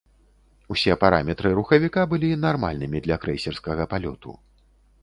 Усе параметры рухавіка былі нармальнымі для крэйсерскага палёту.